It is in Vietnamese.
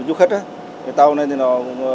điều đó cái tàu này thì nó